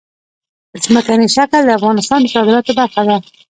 ځمکنی شکل د افغانستان د صادراتو برخه ده.